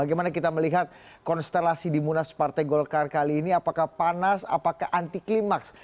karena kita melihat konstelasi di munas partai golkar kali ini apakah panas apakah anti klimaks